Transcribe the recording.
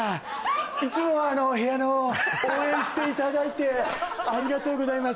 いつもあの部屋の応援来ていただいてありがとうございます